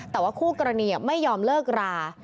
แต่ว่าคู่กรณีไม่ยอมเลิกรา